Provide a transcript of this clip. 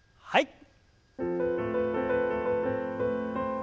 はい。